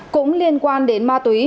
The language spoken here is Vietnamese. cũng liên quan đến ma túy